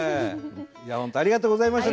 本当ありがとうございました。